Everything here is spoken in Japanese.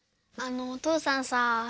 あのおとうさんさ